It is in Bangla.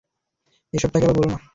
এসব তাকে আবার বলো না।